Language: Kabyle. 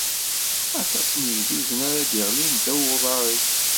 Aṭas n yigduden ara d-iɣlin ddaw uḍar-ik.